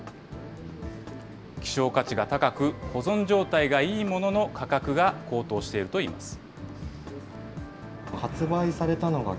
希少価値が高く、保存状態がいいものの価格が高騰しているといいます。